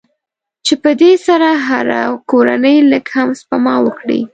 چې په دې سره که هره کورنۍ لږ هم سپما وکړي.